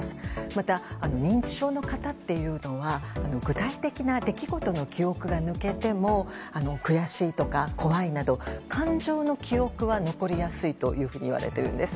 また、認知症の方というのは具体的な出来事の記憶が抜けても悔しいとか怖いなど感情の記憶は残りやすいというふうにいわれているんです。